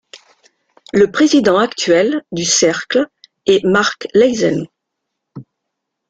Le président actuel du cercle est Mark Leysen.